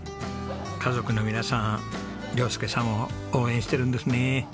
家族の皆さん亮佑さんを応援してるんですね。